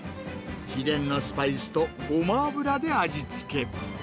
秘伝のスパイスとごま油で味付け。